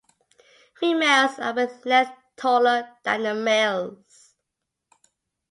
Females are with length taller than the males.